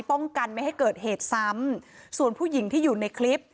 ป้องกันไม่ให้เกิดเหตุซ้ำส่วนผู้หญิงที่อยู่ในคลิป